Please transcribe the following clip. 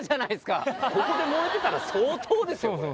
ここで燃えてたら相当ですよこれ。